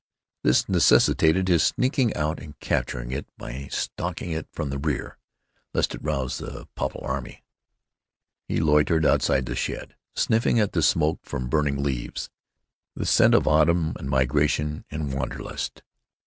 This necessitated his sneaking out and capturing it by stalking it from the rear, lest it rouse the Popple Army. He loitered outside the shed, sniffing at the smoke from burning leaves—the scent of autumn and migration and wanderlust.